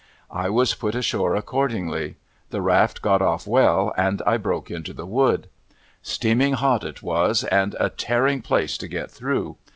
I was put ashore accordingly. The raft got oft' well, and I broke into the wood. Steaming hot it was, and a tearing place to get through.